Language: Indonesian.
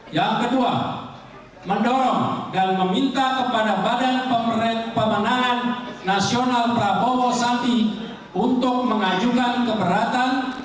yang kedua mendorong dan meminta kepada badan pemenangan nasional prabowo santi untuk mengajukan keberatan